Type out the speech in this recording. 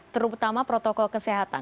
terutama protokol kesehatan